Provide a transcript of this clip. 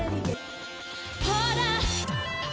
「ほら」